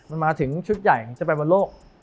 มันมาถึงชุดใหญ่จะไปบอลโลก